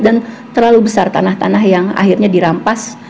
dan terlalu besar tanah tanah yang akhirnya dirampas